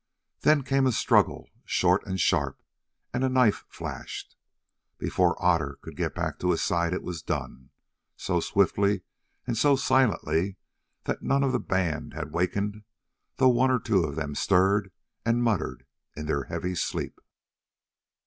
Then came a struggle short and sharp, and a knife flashed. Before Otter could get back to his side it was done—so swiftly and so silently that none of the band had wakened, though one or two of them stirred and muttered in their heavy sleep.